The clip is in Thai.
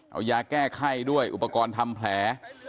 เอายาแก้ไข้ด้วยอุปกรณ์ทำแผล